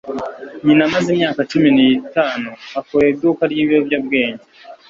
Nyina amaze imyaka cumi n'itanu akora iduka ryibiyobyabwenge.